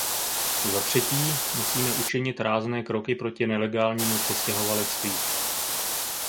Zatřetí, musíme učinit rázné kroky proti nelegálnímu přistěhovalectví.